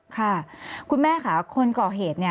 ค่ะคุณแม่ค่ะคนก่อเหตุ